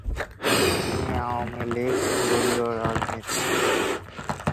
তিনি আওয়ামী লীগ দলীয় রাজনীতিবিদ।